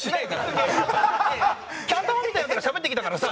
いやいやキャン玉みたいなヤツがしゃべってきたからさ。